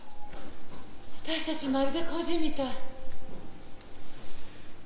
私たちまるで孤児みたい。